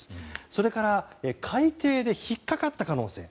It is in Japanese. それから海底で引っかかった可能性。